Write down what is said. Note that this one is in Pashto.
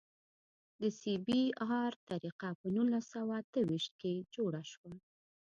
د سی بي ار طریقه په نولس سوه اته ویشت کې جوړه شوه